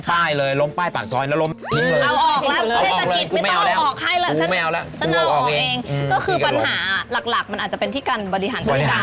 ปัญหาหลักมันอาจจะเป็นที่กันบริหารจัดการ